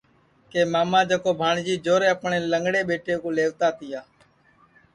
کہ ماما جکو بھانجی جورے اپٹؔے لنگڑے ٻیٹے کُو لئیوتا تیا